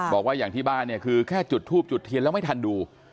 บอกว่าอย่างที่บ้านเนี่ยคือแค่จุดทูบจุดเทียนแล้วไม่ทันดู